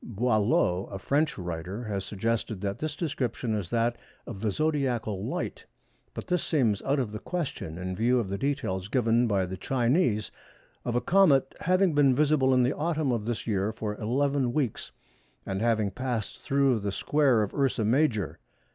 Boillot, a French writer, has suggested that this description is that of the zodiacal light, but this seems out of the question in view of the details given by the Chinese of a comet having been visible in the autumn of this year for 11 weeks, and having passed through the square of Ursa Major.